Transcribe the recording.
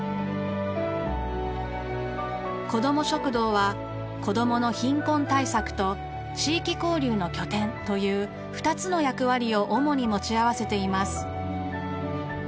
こども食堂は子どもの貧困対策と地域交流の拠点という２つの役割を主に持ち合わせています。